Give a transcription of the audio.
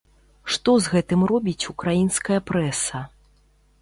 Што з гэтым робіць украінская прэса?